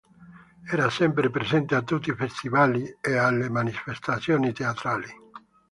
Era sempre presente a tutti i Festival e alle manifestazioni teatrali.